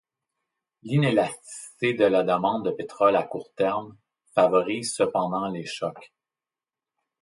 L'inélasticité de la demande de pétrole à court terme favorise cependant les chocs.